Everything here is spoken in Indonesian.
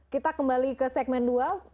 kita kembali ke segmen dua